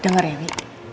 dengar ya wi